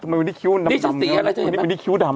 มันเป็นที่คิ้วดำเนี่ยมันเป็นที่คิ้วดำนะนี่สีอะไรเธอเห็นไหม